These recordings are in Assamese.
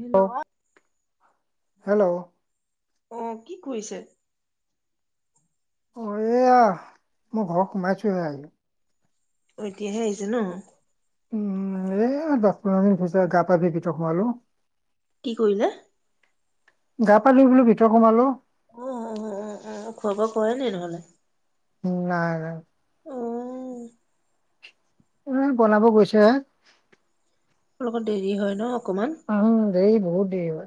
হেল্ল'? হেল্ল' অ' কি কৰিছে? অ' এয়া, মই ঘৰ সোমাইছোহে। অ' এতিয়াহে আহিছে ন? উম, এ দচ পোন্ধৰ দিন পিছত গা পা ধুই ভিতৰ সোমালো। কি কৰিলে? ভিতৰ সোমালো। উ, উ খোৱা বোৱা কৰাই নাই নহ'লে? উম, নাই নাই অ'। উম, বনাব গৈছেহে। আপোনা লোকৰ দেৰি হয় ন অকমান? হেই বহুত দেৰি হয়।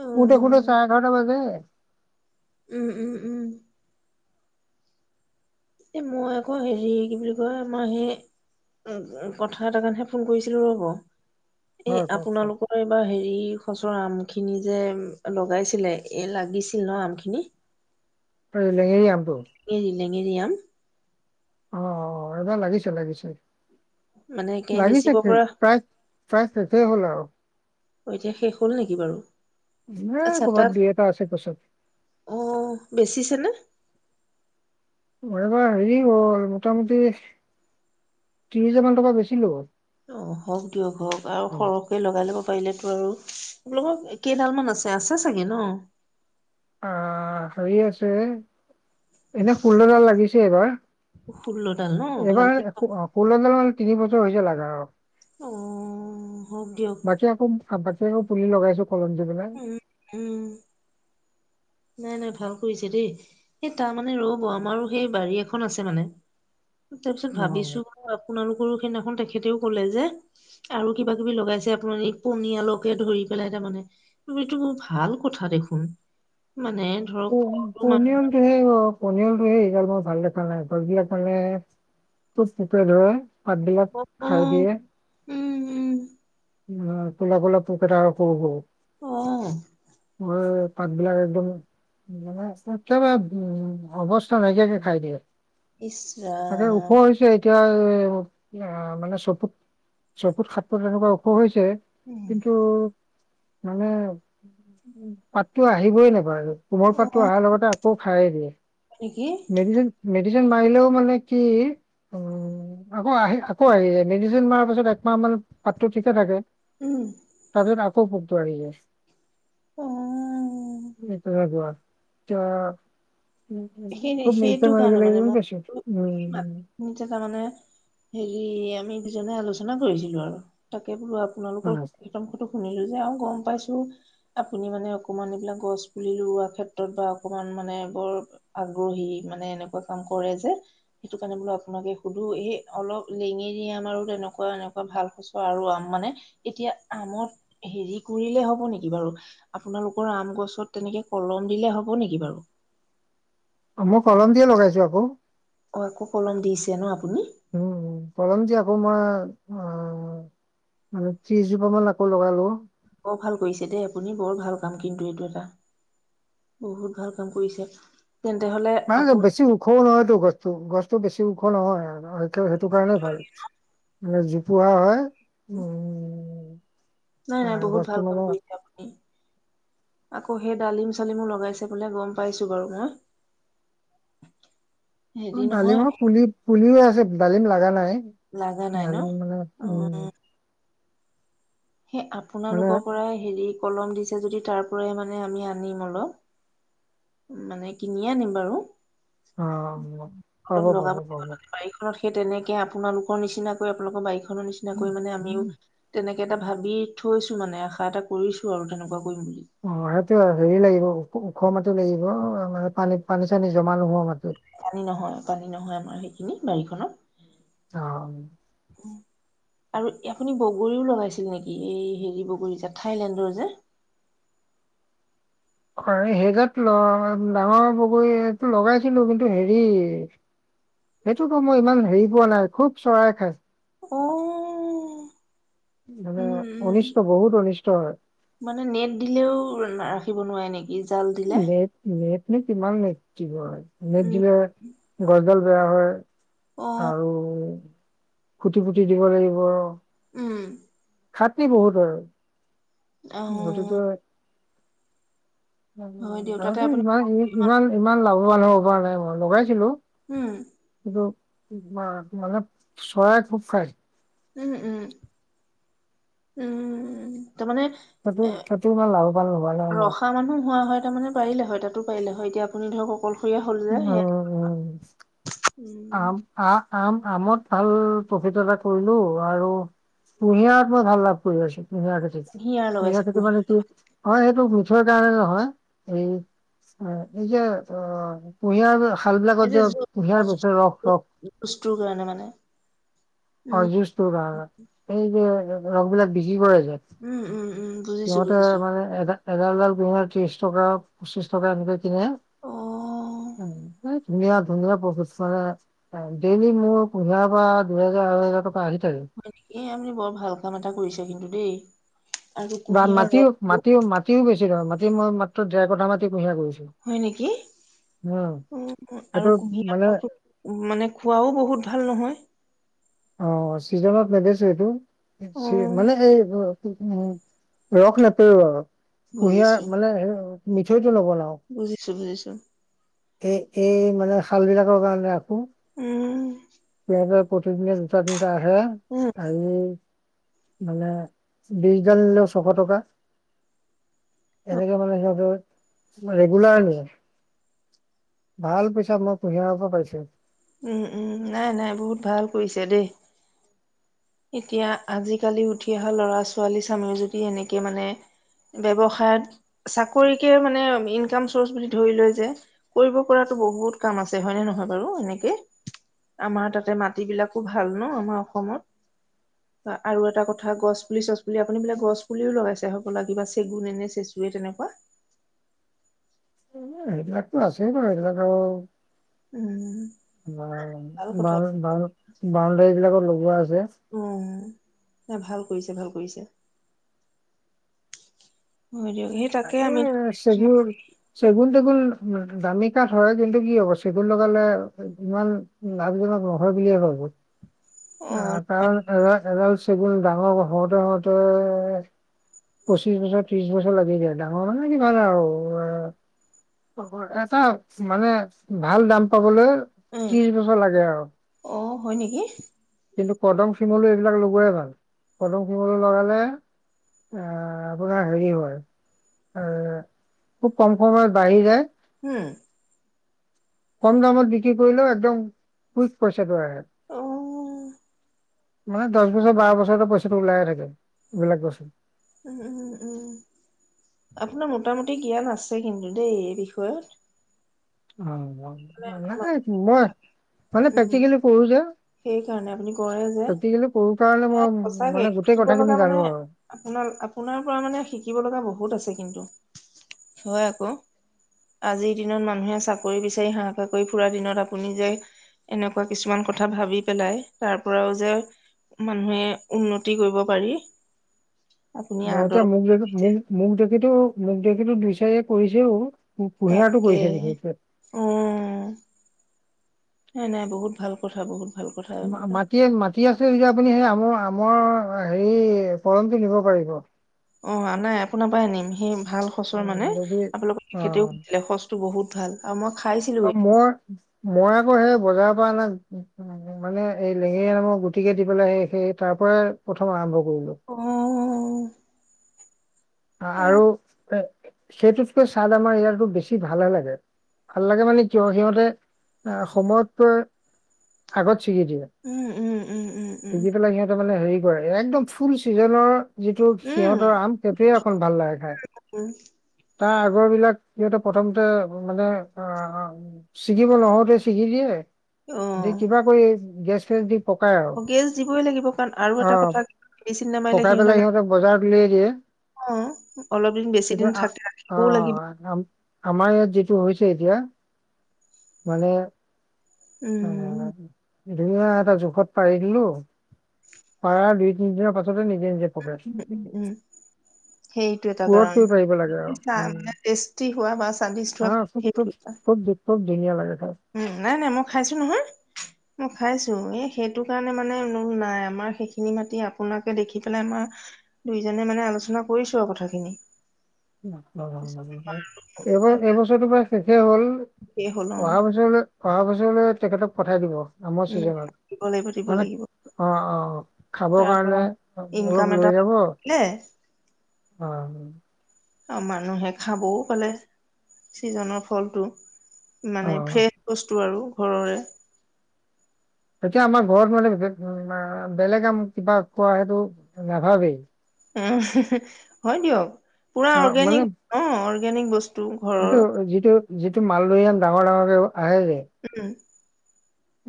অ শোওতে চাৰে এঘাৰটা বাজে। উম, উম, উম। এ মই আকৌ হেৰি কি বুলি কয় মই হে কথা এটাত হে কাৰণেহে ফোন কৰিছিলো ৰ'ব। এই হয় কওক কওক আপোনালোকৰ এইবাৰ হে এই খচৰ আম খিনি যে লগাইছিলে এ লাগিছিল ন আম খিনি? লেঙেৰি আম? [unintelligible] লেঙেৰি লেঙেৰি আম অ', অ' এইবাৰ লাগিছে লাগিছে। মানে একে বেচিব লাগিছে পৰা প্ৰায় প্ৰায় শেষে হ'ল আৰু। অ' এতিয়া শেষ হ'ল নেকি বাৰু? জোনা আচ্ছা তাত ক'ৰবাত দুই এটা আছে গছত। অ বেচিছে নে মোৰ এবাৰ হেৰি হ'ল মোটামুটি ত্ৰিশ হাজাৰ মান টকা বেছিলো। অ' হওক দিয়ক হওক, আৰু সৰহকৈ লগাই ল'ব পাৰিলেতো আৰু আপোনলোকৰ কেইডাল মান আছে। আছে চাগে ন? অ' হেৰি আছে এনে ষোল্লডাল লাগিছে। ষোল্লডাল ন [inaudible] এইবাৰ ভালকে ষো ষোল্ল ডালমান তিনি বছৰ হৈছে লাগা আৰু অঅ, হওক দিয়ক আ, বাকী আকৌ পুলি লগাইছো কলম দি পেলায়। উম উম নাই, নাই ভাল কৰিছে দেই। এ, তাৰ মানে ৰ'ব আমাৰো সেই বাৰী এখন আছে মানে তাপিছত অ ভাবিছো বোলোঁ, আপোনালোকৰো সেইদিনাখন তেখে তেখেতেও ক'লে যে, আৰু কিবা কিবি লগাইছে আপোনাৰ এই পনিয়লকে ধৰি পেলাই তাৰমানে, এইটো ভাল কথা দেখোন। মানে ধৰক ফলটো মানুহৰ পনিয়লটো হে, অ' পনিয়লটো [inaudible] ভাল দেখা নাই, ফুলবিলাক মানে খোব পোকে ধৰে। পাতবিলাক খাই অ', দিয়ে। উম উম উম! কোলা, কোলা পোক এটা অ', [unintelligible] মই পাত বিলাক একদম মানে, একেবাৰে অৱস্থা নাইকিয়াকে খাই দিয়ে। তাকে ওখ ইচৰাম হৈছে এতিয়া মানে চফুত, চফুত সাত ফুত এনেকুৱা হয়। কিন্তু মানে, পাতটো আহিবই নাপায়, কোমল অ' পাতটো অহাৰ লগতে আকৌ খাইয়েই দিয়ে। হয় মেডিচিন নেকি? মেডিচিন মাৰিলেও মানে কি? আকৌ আহি আকৌ আহি যায়, মেডিচিন মাৰা পাছত একমাহ মান পাতটো ঠিকে থাকে। উম, তাৰপাছত আকৌ পুক [inaudible] অ' তেনেকুৱা সেই ত [inaudible] খুব সেইটো কাৰণে মানে মই [unintelligible] তাৰমানে হেৰি আমি দুইজনে আলোচনা কৰিছিলো আৰু তাকে বোলো আৰু। হয়। আপোনালোকৰ শুনিলো যে আৰু গম পাইছো আপুনি মানে অকমান এইবিলাক গছ পুলি লোৱা ক্ষেত্ৰত বা অকমাণ মানে বৰ আগ্ৰহী মানে এনেকুৱা কাম কৰে যে সেইটো কাৰণে বোলো আপোনালোকে সুধো স অলপ লেঙেৰি আম আৰু তেনেকুৱা এনেকুৱা ভাল সচৰ আৰু আম মানে, এতিয়া আমত হেৰি কৰিলে হ'ব নেকি বাৰু, আপোনালোকৰ আম গছত তেনেকে কলম দিলে হ'ব নেকি বাৰু? মই কলম দিয়ে লগাইছো আকৌ। অ' আকৌ কলম দিছে ন আপুনি? উম উম কলম দি আকৌ মই, অ' মানে ত্ৰিশ জোপা মান আকৌ লগালো। বৰ ভাল কৰিছে দেই আপুনি, বৰ ভাল কাম কিন্তু এইটো এটা। বহুত ভাল কাম কৰিছে। তেন্তে হলে মানে আপু বেছি উখও নহয়তো গছটো, গছটো বেছি চি ওখ নহয় আৰু, সেইকে সেইটো কাৰণে ভাল, জোপোহা হয় উম নাই নাই, আহ, বহুত গছটো ভাল কাম মানে কৰিছে আপুনি। আকৌ সেই ডালিম চালিমো লগাইছে বোলে, গম পাইছোঁ বাৰু মই অ হেৰি নহয় ডালিমৰ পুলি, পুলি হৈ আছ ডালিম লাগা নাই লাগা নাই ন ডালিম মানে, অ উম সেই মানে আপোনালোকৰ পৰাই হেৰি কলম দিছে যদি তাৰ পৰাই মানে আমি আনিম অলপ মানে কিনিয়ে আনিম বাৰু অ', পাব, অলপ লগাব পাব, পাব। বাৰীখনত সেই তেনেকে আপোনালোকৰ নিচিনাকৈ আপোনালোকৰ বাৰিখন [unintelligible] নিচিনা কৰি মানে আমিও তেনেক কে এটা ভাবি থৈছো মানে আশা এটা কৰিছো আৰু তেনেকুৱা কৰিম। বুলি অ' সেইটোৱে হেৰি লাগিব, ওখ মাটি লাগিব। অ' মানে পানী পানী-চানী জমা নোহোৱা মাটি। পানী নহয়, পানী নহয় আমাৰ সেই খিনি বাৰীখনত। অহ'। আৰু আপুনি বগৰীও লগাইছিল নেকি? এই হেৰি বগৰী যে থাইলেণ্ডৰ যে হয়, সেইজাত ডাঙৰ বগৰীটো লগাইছিলো। কিন্তু হেৰি, সেইটোতো মই ইমান হেৰি পোৱা নাই খুব চৰায়ে খাই। অ' মানে অনিষ্ট, উম বহুত অনিষ্ট হয়। দিব নোৱাৰে নেক কি, জাল দিলে। এই কিমান নেট দিব আ নেট উম দিলে গছডাল বেয়া হয়, অ আৰু, খুটি পুতি দিব লাগিব। উম। খাটিৰ বহুত হয় আৰু। অ গতিকে হয় দিয়ক তাতে আৰুতো আপুনি ইমান ই ইমান ইমান লাভ। ন নাই মই লগাইছিলো। উম। কিন্তু মানে চৰায়ে খুব খায়। উম, উম, উম, উম। সেইটোয়ে, সেইটো ইমান লাভৱান ত মানে পাৰিলে হয় তাতো পাৰিলে হয় এতিয়া আপুনি ধৰক অকল উম, উম। আম আ আম আমত ভাল প্ৰফিট এটা কৰিলো আৰু কুঁহিয়াৰত মই ভাল লাভ কৰি আছোঁ। কুঁহিয়াৰ খেতিত, কুঁহিয়াৰ খেতি মানে কি, হয়। টো মিঠৈৰ কাৰণে নহয়, এই এই যে অ। কুঁহিয়াৰ। শাল বিলাকত যে কুঁহিয়াৰ বেচে ৰস ৰস [unintelligible] তোৰ কাৰণে মানে। অ', উম, জুছটোৰ কাৰনে। এই যে ৰস বিলাক বিক্ৰী কৰে যে উম, উম, উম। বুজিছো সিহঁতে বুজিছো। মানে এডা এডাল এডাল কুঁহিয়াৰ ত্ৰিশ টকা, পঁচিশ টকা এনেকৈ কিনে, উম্। ধুনীয়া, ধুনীয়াা প্ৰচেষ্টাৰে অ' ডেইলী মোৰ কু্ঁহিয়াৰ পৰা দুহেজাৰ, আঢ়ৈহাজাৰ টকা আহি থাকে হয় নেকি? আপুনি বৰ ভাল কাম এটা কৰিছে কিন্তু দেই। আৰু বা কুঁহিয়াৰ মাটিও, ৰসটো মাটিও, মাটিও বেছি নহয়। মাটি মই মাত্ৰ ডেৰ কোঠা মাটি কুঁহিয়াৰ কৰিছো হয় নেকি? উম উম্ আৰু সেইটো মানে কুঁহিয়াৰ মানে খোৱাওঁ বহুত ভাল নহয়। অ' ছিজনত নেবেছো এইটো। বেছি অ', মানে এই উম্ সেইটো নহয়। ৰস নেপেৰো আৰু। কুঁহিয়াৰ বুজিছো, মানে হে মিঠৈ বুজিছো, বুজিছো। এই, এই মানে শাল বিলাকৰ কাৰণে ৰা উম্। [inaudible] এতিয়া প্ৰতিদিনে দুটা, তিনটা আহে, আজি মানে বিছ ডাল নিলেও ছশ টকা, এনেকে মানে সিহঁতে ৰেগুলাৰ নিয়ে। ভাল পইচা মই কুঁহিয়াৰ পৰা পাইছো। উম- উম, নাই নাই বহুত ভাল কৰিছে দেই। এতিয়া আজিকালি উঠি অহা লৰা-ছোৱালী চামেও যদি এনেকে মানে, ব্যৱসায়ত চাকৰিকে মানে ইনকাম চৰ্চ বুলি ধৰি লয় যে, কৰিব পৰাতো বহুত কাম আছে হয় নে নহয় বাৰু এনেকে, আমাৰ তাতে মাটিবিলাকো ভাল ন আমাৰ অসমত। বা আৰু এটা কথা গছ পুলি-চছপুলি, আপুনি বোলে গছ পুলিও লগাইছে হবলা কিবা চেগুন এনে চেচুৱে তেনেকুৱা? এনেই সেইবিলাকতো আছেই ন, সেইবিলাক আৰু উম বাউণ, ভাল কথা বাউণ, বাউণ, বাউণ্ডেৰী বিলাকৰ লগ গোৱা আ উম। নাই ভাল কৰিছে, ভাল কৰিছে। হয় দিয়ক সেই তাকে আছে আমি মানে চেগুন চেগুন-তেগুন দামী কাঠ হয় কিন্তু কি হ'ব, চেগুন লগালে ইমান লাভজনক নহয় বুলিয়ে ভাবো। অ' তাৰ এডাল, এডাল চেগুন ডাঙৰ হওতে, হওতে পঁচিশ বছৰ, ত্ৰিশ বছৰ লাগি যায়। ডাঙৰ মানে কিমান আৰু এটা মানে ভাল দাম পাবলৈ অ ত্ৰিশ বছৰ লাগে আৰু। [inaudible] অ', হয় নেকি? কিন্তু কদম, শিমলু এইবিলাক লগোৱাই ভাল, কদম শিমলু লগালে এ আপোনাৰ হেৰি হয় এ খুব কম সময়ত বাঢ়ি যায়। হুম। কম দামত বিক্ৰী কৰিলেও একদম কুইক পইচাটো আহে। অ মানে দহ বছৰ, বাৰ বছৰ পইচাটো ওলাইয়ে থাকে এইবিলাক বস্তু উম, উম, উম আপোনাৰ মোটা মুটি জ্ঞান আছে কিন্তু দেই, এই বিষয়ত। অ। নাই মই মানে উম প্ৰেক্টিকেলি ই কৰো যে প্ৰেক্টিকেলি কৰো। কাৰণে মই সঁচাকে মানে গোটেই শিকিব কথাখিনি লগা মানে জানো আৰু আপোনাৰ, আপোনাৰ পৰা মানে শিকিব লগা বহুত আছে। কিন্তু, হয় আকৌ আজিৰ দিনত মানুহে চাকৰি বিচাৰি হাহাকাৰ কৰি ফুুৰা দিনত আপুনি যে এনেকুৱা কিছুমান কথা ভাবি পেলাই তাৰ পৰাও যে মানুহে উন্নতি কৰিব পাৰি। আপুনি আদৰ [unintelligible] মোক যদি মো মোক যদি সেইটো মোক দেখিটো দুই চাৰিয়ে কৰিছেও। কু- কুঁহিয়াৰটো তাকে কৰিছে বিশেষকে অ। নাই, নাই বহুত ভাল কথা বহুত ভাল কথা এইবিলাক মাটি, মাটি আছিল যে আপুনি সেই আমৰ, আমৰ হেৰি কদমটো নিব পাৰিব। অ', নাই আপোনাৰ পৰাই আনিম সি ভাল হচৰ উম, মানে যদি আপোনালোকৰ খেতিও অ [unintelligible] টো বহুত ভাল, আমৰ অ', মই মই আ অ', সেই বজাৰৰ পৰা অনা মানে এই লেঙেৰি আমৰ গুটিকে দি পেলাই সেই সেই তাৰ পৰাই প্ৰথম আৰম্ভ। কৰিলো। অ অ আৰু এ সেইটোতকৈ ছাদ আমাৰ ইয়াতো বেছি ভালে লাগে, ভাল লাগে মানে কিয় সিহঁতে সময়তকৈ আগত ছিগি দিলে, উম উম উম উম উম ছিগি পেলাই সিহঁতে মানে হে একদম ফুল চিজনৰ যিটোত সিহঁতৰ আম সেয়ে, অকন ভাল লাগে খাই। উম। তাৰ আগৰ বিলাক সিহঁতে প্ৰথমতে মানে অ', ছিগিব নহওঁতে ছিগি দিয়ে, দি উম কিবা কৰি গেছ ফেছ দি পকাই আৰু গেছ দিবই লাগিব কাৰণ, আৰু এটা অ কথা মেডিচিন নামাৰিলে পকাই সিহঁতে পেলাই জান সিহঁতক বজাৰত উলিয়াই দিয়ে। অ' অলপ দিন বেছি কিন্তু দিন আ- থাকে, অ ৰাখিবওঁ লাগিব। আমাৰ ইয়াত যিটো হৈছে এতিয়া, মানে উম অ' ধুনীয়া এটা জোখত পাৰি দিলো, পাৰা দুই তিনিদিনৰ পাছত [unintelligible] নিজে নিজে পকে উম! উম! উম! সেইটো এটা পুৰত কাৰণ, কৰিব পাৰিব লাগে আৰু উম টেষ্টি হোৱা বা স্বাদিষ্ট হা হোৱা খুব খুব সেইটো এটা। খুব খুব ধুনীয়া লাগে খাবলৈ উম! নাই, নাই, মই খাইছো নহয় মই, খাইছো এই সেইটো কাৰণে মানে নাই আমাৰ সেইখিনি মাতি আপোনাকে দেখি পেলাই আমাৰ দুইজনে মানে আলোচনা কৰিছো আৰু কথাখিনি। এইবাৰ এইবছৰটো প্ৰায় শেষে হ'ল। এই হ'ল অ'। অহা বছৰলৈ অহা বছৰলৈ তেখেতক পঠাই দিব। আমৰ উম দিব লাগিব দিব চিজনত মানে লাগিব অ', অ', খাব তাৰ পৰা কাৰণে ইনকাম অলপ এটা লৈ যাব। পালে অ'। আৰু মানুহে খাবও পালে, চিজনৰ ফলটো। মানে অ ফ্ৰেচ বস্তু আৰু। ঘৰৰে এতিয়া আমাৰ ঘৰত মানে বেলেগ আম কিবা কোৱা সেইটো নাভাবেই। উম, হয় দিয়ক। পুৰা অ মানে অৰ্গেনিক অ'। অৰ্গনিক বস্ এইটো, যিটো যিটো মালদৈআম ডাঙৰ-ডাঙৰকে হায়েৰে উম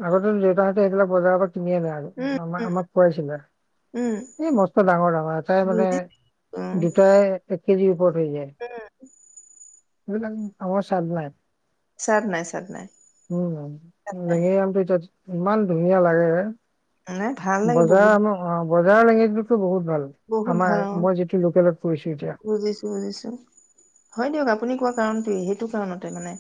আগতেতো দেউতাহতে এইবিলাক বজাৰ কিনি আনে আৰু, উম উম আম-আমাক খোৱাইছিলে, উম এই মস্ত ডাঙৰ-ডাঙৰ এটাই মানে বুজিছো উম দুটাই এক কেজিৰ ওপৰত হৈ যায়। উম এইবিলাক আমাৰ সাইডত নাই। চাইত নাই, চাইত নাই। উম, চাদ নাই নেঙেৰি আমটো এটা ইমান ধুনীয়া লাগে নাই ভাল লাগে বহুত বজাৰ অ বজাৰ [unintelligible] বহুত ভাল, বহুত ভাল আমাৰ, অ মই যিটো লোকেলত পৰিছো এতিয়া। বুজিছো বুজিছো হয় দিয়ক আপুনি কোৱা কাৰণটোয়ে সেইটো কাৰণতে মানে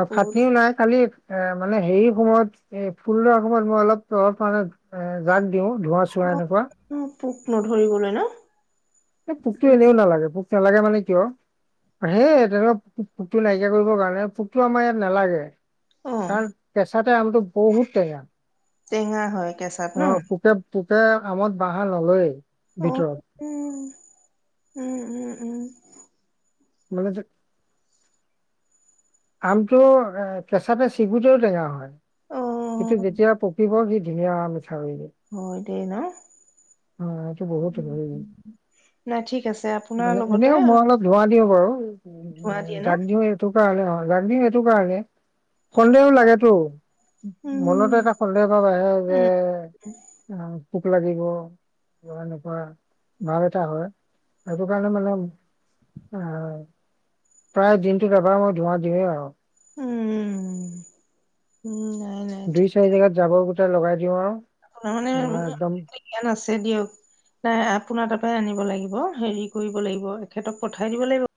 আৰু বহুত ফাটিও নাই, কালি এ মানে হেৰি সময়ত, এ ফুল ৰুৱা সময়ত মই অলপ-অলপমান এ জাগ দিও, ধোঁৱা-চোৱা এনেকুৱা। অ নধৰিবলৈ না। পোকটো এনেও নালাগে পো নেলাগে মানে কিয়। হেই এদেলক পোকটো নাইকিয়া কৰিবৰ কাৰণে, পোকটো আমাৰ ইয়াত নালাগে। অ কাৰণ কেঁচাতে আমটো বহুত টেঙা, টেঙা হয় কেঁচাত অ ন পোকে পো আমত বাঁহা নলয়ে। অ উম। উম, উম, উম। মানে যে আমটো এ কেঁচাতে চিগুতেও টেঙা হয়। অ কিন্তু যেতিয়া পকিব সি নিয়ামিক অ হয় দেই ন এইটো বহুত হয়, নাই ঠিক আছে আপোনাৰ মানে লগতে এনেও মই আমাক অলপ ধোৱা দিওঁ। [inaudible] উ উ ধোৱা দিয়ে ন দাগদিও সিহঁতক। কাৰণে হয়, জাগ দিও এইটো কাৰণেই সন্দেহো লাগেতো। মনতে উম এটা সন্দেহ ভাব আহে যে, উম উম। পোক লাগিব বা এনেকুৱা ভাব এটা হয় সেইটো কাৰণে মানে অহ, প্ৰায় দিনটোত এবাৰ মই ধোৱা দিওঁয়েই আৰু। উম, উম। নাই নাই ঠিক দুই, চাৰি জাগাত যাব লগাই দিওঁ আৰু আপোনাৰ মানে জ্ঞান আছে দিয়ক, নাই আপোনাৰ তাৰ পৰাই আনিব লাগিব, হেৰি কৰিব লাগিব এখেতক পঠাই দিব লাগিব।